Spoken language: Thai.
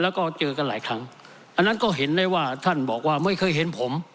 แล้วก็เจอกันหลายครั้งอันนั้นก็เห็นได้ว่าท่านบอกว่าไม่เคยเห็นผม